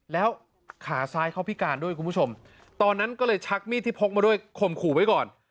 แล้วขาซ้ายเขาพิการด้วยคุณผู้ชมตอนนั้นก็เลยชักมีดที่พกมาด้วยข่มขู่ไว้ก่อน